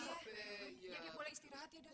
jadi boleh istirahat ya datu